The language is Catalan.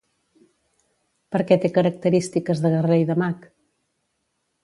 Per què té característiques de guerrer i de mag?